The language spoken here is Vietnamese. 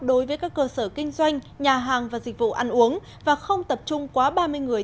đối với các cơ sở kinh doanh nhà hàng và dịch vụ ăn uống và không tập trung quá ba mươi người